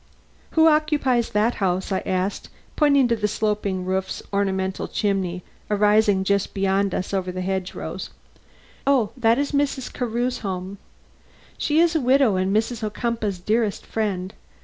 "Who occupies that house?" I asked, pointing to the sloping roofs and ornamental chimneys arising just beyond us over the hedge rows. "Oh, that is Mrs. Carew's home. She is a widow and Mrs. Ocumpaugh's dearest friend.